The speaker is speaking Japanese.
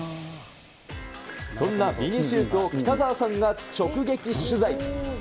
そんなビニシウスを北澤さんが直撃取材！